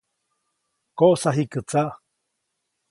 ‒¡Koʼsa jikä tsaʼ!‒.